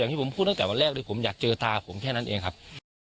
ที่ผมพูดตั้งแต่วันแรกเลยผมอยากเจอตาผมแค่นั้นเองครับ